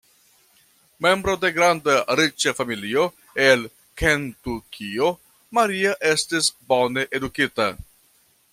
Membro de granda, riĉa familio el Kentukio, Maria estis bone edukita.